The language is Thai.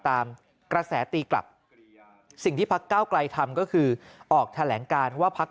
ตามกระแสตีกลับสิ่งที่พักเก้าไกลทำก็คือออกแถลงการว่าพัก